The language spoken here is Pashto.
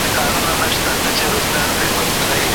اور د انتقام به یې په مېنه کي بلیږي